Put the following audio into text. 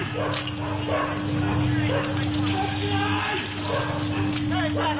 กักไกร